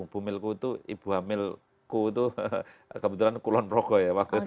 bumilku itu ibu hamilku itu kebetulan kulon progo ya waktu itu